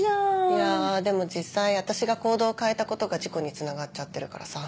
いやでも実際私が行動を変えたことが事故につながっちゃってるからさ。